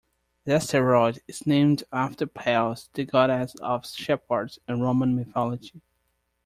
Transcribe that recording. The asteroid is named after Pales, the goddess of shepherds in Roman mythology.